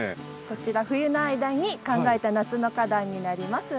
こちら冬の間に考えた夏の花壇になります。